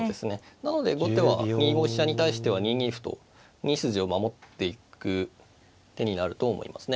なので後手は２五飛車に対しては２二歩と２筋を守っていく手になると思いますね。